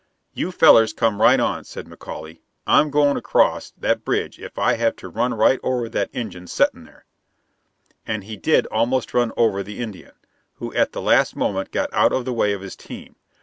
"You fellers come right on," said McAuley. "I'm goin' across that bridge if I have to run right over that Injen settin' there." And he did almost run over the Indian, who at the last moment got out of the way of his team.